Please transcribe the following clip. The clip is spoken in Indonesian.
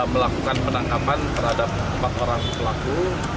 melakukan penangkapan terhadap empat orang pelaku